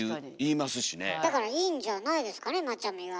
だからいいんじゃないですかねマチャミは。